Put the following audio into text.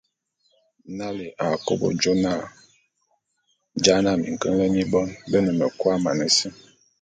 Nalé a kôbô jô na ja’ana minkeñelé mi bon be ne mekua mana si,